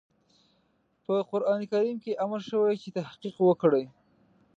په قرآن کريم کې امر شوی چې تحقيق وکړئ.